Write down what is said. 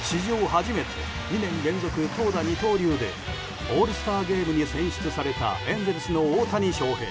初めて２年連続投打二刀流でオールスターゲームに選出されたエンゼルスの大谷翔平。